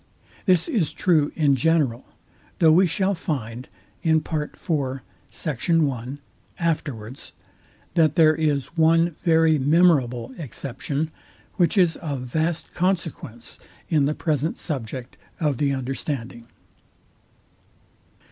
This is true in general; though we shall find afterwards, that there is one very memorable exception, which is of vast consequence in the present subject of the understanding.